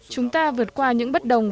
chúng ta vượt qua những bất đồng